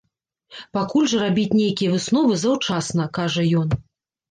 Пакуль жа рабіць нейкія высновы заўчасна, кажа ён.